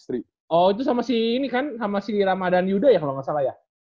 oh itu sama si ini kan sama si ramadan yuda ya kalau nggak salah ya